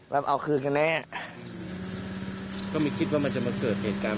เอาคืนกันแน่ก็ไม่คิดว่ามันจะมาเกิดเหตุการณ์